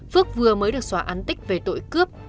phước vừa mới được xóa án tích về tội cướp